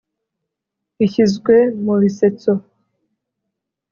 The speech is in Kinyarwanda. ishyizwe mu bisetso,